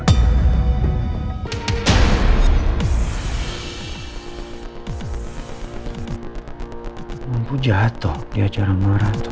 mampu jatuh di acara marah tuh